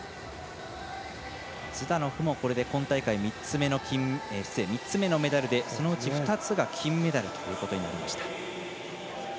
ズダノフも今大会３つ目のメダルでそのうち２つが金メダルということになりました。